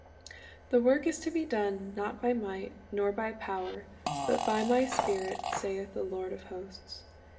The work is to be done, "not by might, nor by power, but by My Spirit, saith the Lord of hosts."'